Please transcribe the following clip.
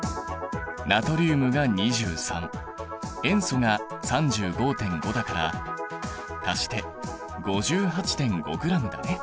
ナトリウムが２３塩素が３５．５だから足して５８．５ｇだね。